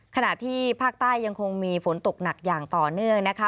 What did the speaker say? ขณะที่ภาคใต้ยังคงมีฝนตกหนักอย่างต่อเนื่องนะคะ